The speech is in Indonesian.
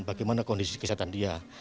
bagaimana kondisi kesehatan dia